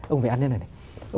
ông phải ăn như thế này